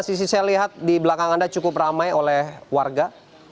sisi saya lihat di belakang anda cukup ramai oleh warga